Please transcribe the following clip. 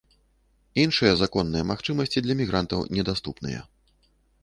Іншыя законныя магчымасці для мігрантаў не даступныя.